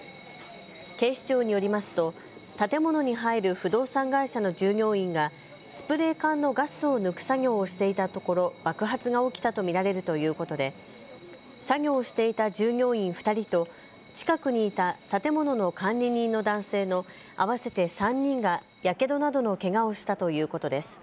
警視庁によりますと建物に入る不動産会社の従業員がスプレー缶のガスを抜く作業をしていたところ爆発が起きたと見られるということで作業をしていた従業員２人と近くにいた建物の管理人の男性の合わせて３人がやけどなどのけがをしたということです。